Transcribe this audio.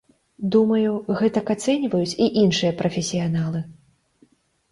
Думаю, гэтак ацэньваюць і іншыя прафесіяналы.